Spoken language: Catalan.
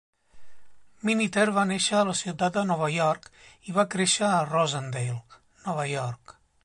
Miniter va néixer a la ciutat de Nova York i va créixer a Rosendale, Nova York.